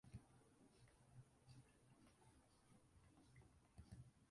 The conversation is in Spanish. Buono era aficionado a la lectura y la escritura y, sobre todo, a Shakespeare.